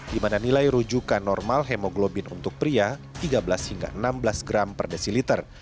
di mana nilai rujukan normal hemoglobin untuk pria tiga belas hingga enam belas gram per desiliter